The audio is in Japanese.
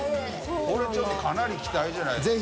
これちょっとかなり期待じゃないですか？